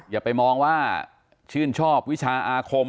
อย่าไปมองว่าชื่นชอบวิชาอาคม